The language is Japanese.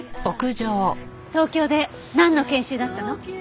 東京でなんの研修だったの？